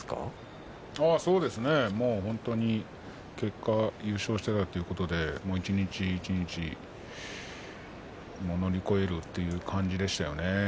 結果、優勝してたということで一日一日、乗り越えるという感じでしたね。